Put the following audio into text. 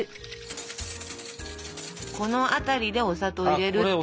この辺りでお砂糖入れるっていう。